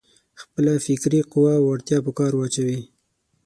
خپله فکري قوه او وړتيا په کار واچوي.